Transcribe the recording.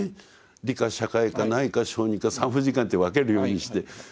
理科社会科内科小児科産婦人科なんて分けるようにして考える。